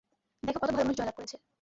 দেখ কত ভালো মানুষ জয় লাভ করেছে।